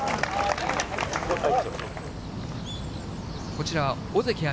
こちら、尾関彩